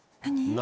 何？